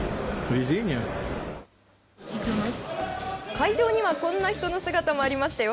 会場にはこんな人の姿もありましたよ。